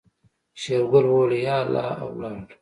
شېرګل وويل يا الله او ولاړ.